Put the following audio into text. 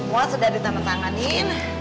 wah sudah ditandatanganin